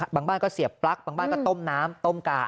บางบ้านก็เสียบปลั๊กบางบ้านก็ต้มน้ำต้มกาก